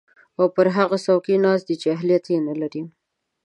او پر هغه څوکۍ ناست دی چې اهلیت ېې نلري